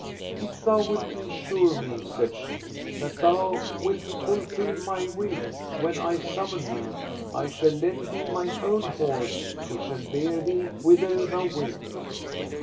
If thou wilt ensure me, said she, that thou wilt fulfil my will when I summon thee, I shall lend thee mine own horse which shall bear thee whither thou wilt.